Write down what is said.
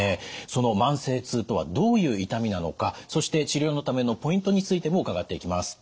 その慢性痛とはどういう痛みなのかそして治療のためのポイントについても伺っていきます。